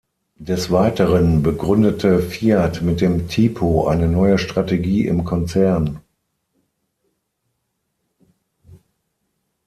Des Weiteren begründete Fiat mit dem Tipo eine neue Strategie im Konzern.